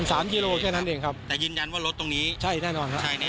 แต่ยืนยันว่ารถตรงนี้ใช่แน่นอน